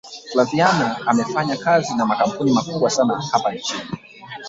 flaviana amefanyakazi na makampuni makubwa sana hapa nchini